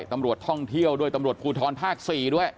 ตำรวจท่องเที่ยวด้วยตำรวจภูทรภาค๔ด้วย